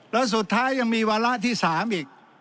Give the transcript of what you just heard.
แล้วสุดท้ายยังมีวาระที่๓อีก